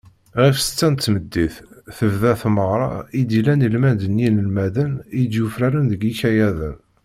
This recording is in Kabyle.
Ɣef ssetta n tmeddit, tebda tmeɣra i d-yellan ilmend n yinelmaden i d-yufraren deg yikayaden.